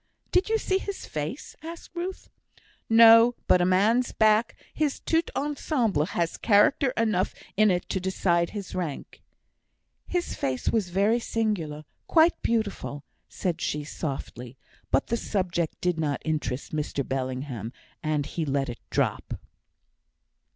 "Did you see his face, sir?" asked Ruth. "No; but a man's back his tout ensemble has character enough in it to decide his rank." "His face was very singular; quite beautiful!" said she, softly; but the subject did not interest Mr Bellingham, and he let it drop.